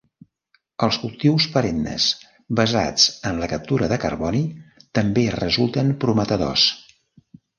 Els cultius perennes basats en la captura de carboni també resulten prometedors.